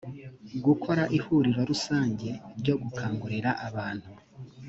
gukora ihuriro rusange ryo gukangurira abantu .